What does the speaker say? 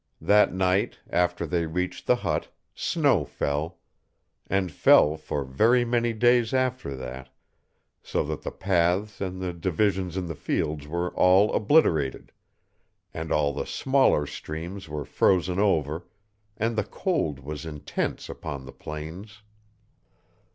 That night, after they reached the hut, snow fell; and fell for very many days after that, so that the paths and the divisions in the fields were all obliterated, and all the smaller streams were frozen over, and the cold was intense upon the plains.